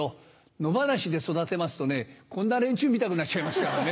野放しで育てますとねこんな連中みたくなっちゃいますからね。